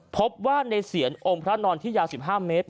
พบว่าในเสียรองค์พระนอนที่ยาว๑๕เมตร